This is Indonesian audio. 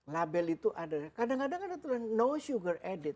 label itu ada kadang kadang ada tuhan know sugar added